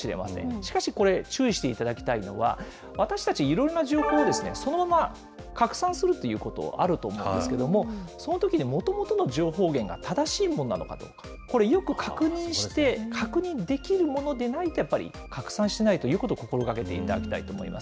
しかし、これ、注意していただきたいのは、私たち、いろんな情報をそのまま拡散するっていうこと、あると思うんですけれども、そのときに、もともとの情報源が正しいものなのかと、これ、よく確認して、確認できるものでないと、やっぱり拡散しないということを心がけていただきたいと思います。